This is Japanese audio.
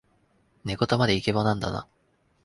寝言までイケボなんだな